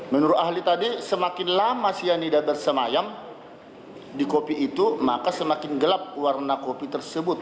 menurut ahli tadi semakin lama cyanida bersemayam di kopi itu maka semakin gelap warna kopi tersebut